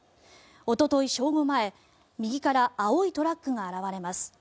おととい正午前右から青いトラックが現れます。